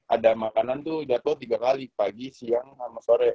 ada makanan tuh jatuh tiga kali pagi siang sama sore